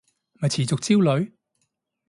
咪持續焦慮